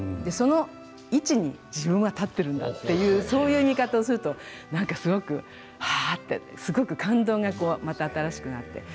その位置に自分は立ってるんだっていうそういう見方をすると何かすごくはあってすごく感動がまた新しくなって。